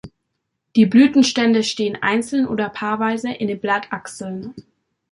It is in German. Die Blütenstände stehen einzeln oder paarweise in den Blattachseln.